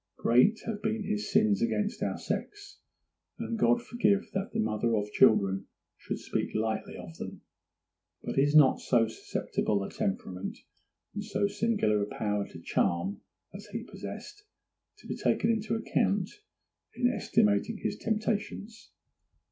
Great have been his sins against our sex, and God forbid that the mother of children should speak lightly of them; but is not so susceptible a temperament, and so singular a power to charm as he possessed, to be taken into account in estimating his temptations?